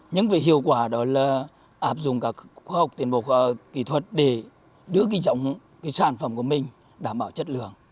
những cái hiệu quả đó là áp dụng các khoa học tiền bộ kỹ thuật để đưa cái sản phẩm của mình đảm bảo chất lượng